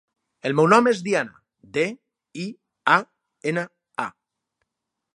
El meu nom és Diana: de, i, a, ena, a.